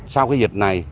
sau cái dịch này